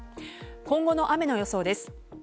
今後の雨の予想です。